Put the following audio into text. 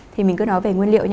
thì mình cứ nói về nguyên liệu nhá